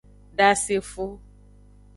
Dasefo.